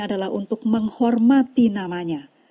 adalah untuk menghormati namanya